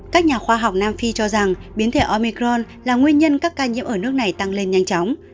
các nhà khoa học nam phi cho rằng biến thể omicron là nguyên nhân các ca nhiễm ở nước này tăng lên nhanh chóng